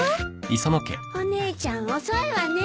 お姉ちゃん遅いわね。